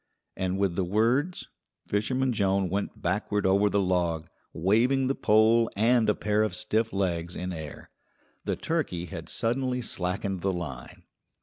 And with the words Fisherman Jones went backward over the log, waving the pole and a pair of stiff legs in air. The turkey had suddenly slackened the line.